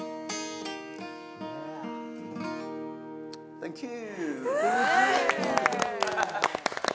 サンキュー！